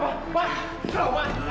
pak helang bang kenapa